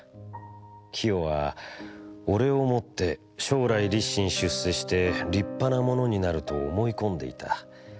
清はおれをもって将来立身出世して立派なものになると思い込んでいた。